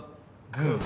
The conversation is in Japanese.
グー。